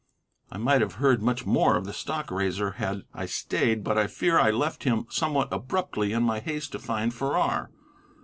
I might have heard much more of the stockraiser had I stayed, but I fear I left him somewhat abruptly in my haste to find Farrar.